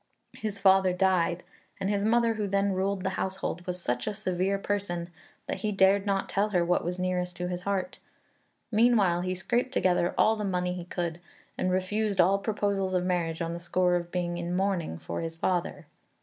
His father died, and his mother who then ruled the household was such a severe person that he dared not tell her what was nearest to his heart. Meanwhile he scraped together all the money he could; and refused all proposals of marriage on the score of being in mourning for his father.